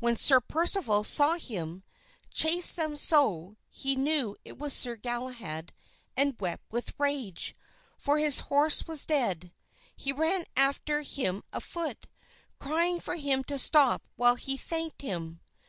When Sir Percival saw him chase them so, he knew it was Sir Galahad and wept with rage, for his horse was dead. He ran after him afoot, crying for him to stop while he thanked him.